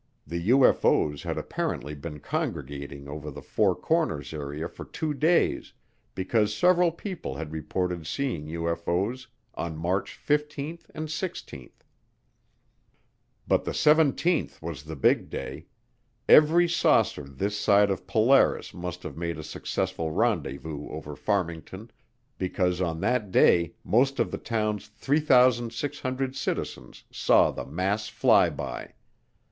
The UFO's had apparently been congregating over the four corners area for two days because several people had reported seeing UFO's on March 15 and 16. But the seventeenth was the big day, every saucer this side of Polaris must have made a successful rendezvous over Farmington, because on that day most of the town's 3,600 citizens saw the mass fly by.